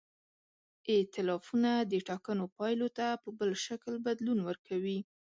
ایتلافونه د ټاکنو پایلو ته په بل شکل بدلون ورکوي.